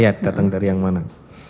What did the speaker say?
iya datang dari yang mana